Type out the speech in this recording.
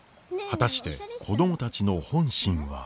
果たして子供たちの本心は。